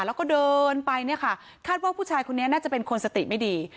แล้วก็เดินไปเนี่ยค่ะคาดว่าผู้ชายคนนี้น่าจะเป็นคนสติไม่ดี